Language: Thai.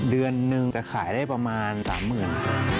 เดือนนึงจะขายได้ประมาณ๓๐๐๐บาท